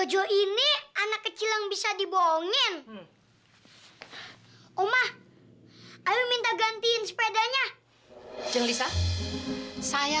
sampai jumpa di video selanjutnya